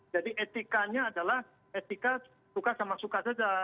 jadi etikanya adalah etika suka sama suka saja